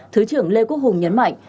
thứ trưởng lê quốc hùng nhấn mạnh